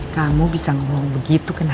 kamu bisa ngomong begitu kenapa